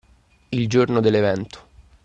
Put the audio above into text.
Il giorno dell'evento